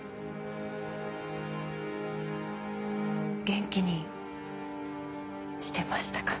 元気にしてましたか？